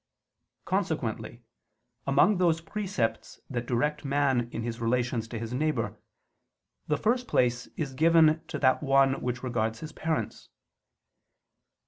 Consequently, among those precepts that direct man in his relations to his neighbor, the first place is given to that one which regards his parents.